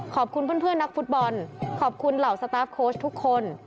ขอบคุณเพื่อนนักฟุตบอลขอบคุณเหล่าสตาร์ฟโค้ชทุกคน